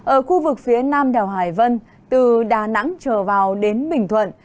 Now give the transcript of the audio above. ở khu vực phía nam đèo hải vân từ đà nẵng trở vào đến bình thuận